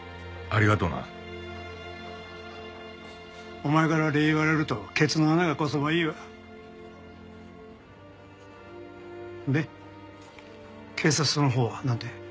お前から礼言われるとケツの穴がこそばいいわ。で警察のほうはなんて？